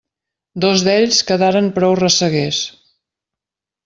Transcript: Dos d'ells quedaren prou ressaguers.